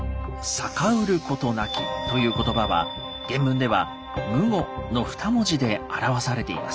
「忤うることなき」ということばは原文では「無忤」の２文字で表されています。